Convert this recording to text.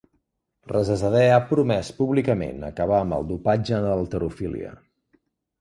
Rezazadeh ha promès públicament acabar amb el dopatge en l'halterofília.